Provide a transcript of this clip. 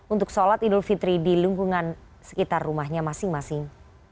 untuk sholat idul fitri di lingkungan sekitar rumahnya masing masing